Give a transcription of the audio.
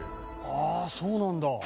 ああそうなんだ。